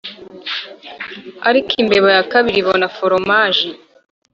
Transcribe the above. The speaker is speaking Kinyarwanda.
ariko imbeba ya kabiri ibona foromaje